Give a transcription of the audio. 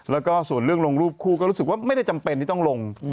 แล้วก็ส่วนเรื่องลงรูปคู่ก็รู้สึกว่าไม่ได้จำเป็นที่ต้องลง